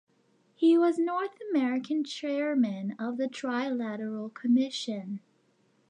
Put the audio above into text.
He was North American Chairman of the Trilateral Commission.